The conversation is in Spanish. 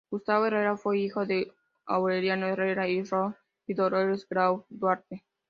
Gustavo Herrera fue hijo de Aureliano Herrera Irigoyen y Dolores Grau Duarte.